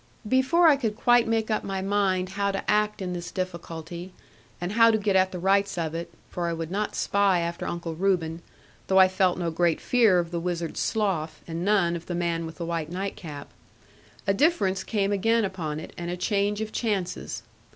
Before I could quite make up my mind how to act in this difficulty, and how to get at the rights of it (for I would not spy after Uncle Reuben, though I felt no great fear of the Wizard's Slough, and none of the man with the white night cap), a difference came again upon it, and a change of chances.